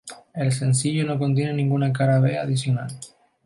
El sencillo no contiene ninguna cara B adicional.